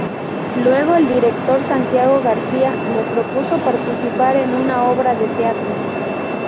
Luego el director Santiago García le propuso participar en una obra de teatro.